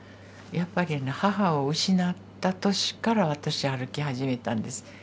やっぱりね母を失った年から私歩き始めたんです。